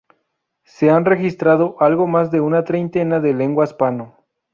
Se han registrado algo más de una treintena de lenguas Pano.